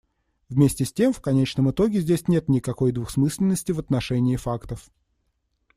Вместе с тем, в конечном итоге здесь нет никакой двусмысленности в отношении фактов.